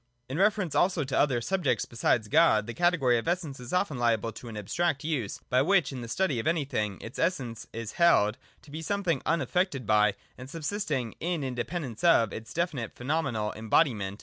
In reference also to other subjects besides God the category of Essence is often liable to an abstract use, by which, in the study of anything, its Essence is held to be something unaf fected by, and subsisting in independence of, its definite pheno menal embodiment.